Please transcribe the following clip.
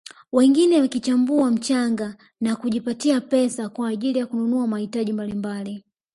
Wengine wakichambua mchanga na kujipatia pesa kwa ajili ya kununua mahitaji mbalimbali